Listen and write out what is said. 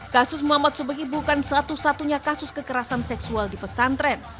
kasus muhammad subegi bukan satu satunya kasus kekerasan seksual di pesantren